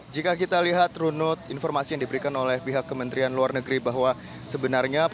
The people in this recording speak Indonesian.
jika kita lihat runut informasi yang diberikan oleh pihak kementerian luar negeri bahwa sebenarnya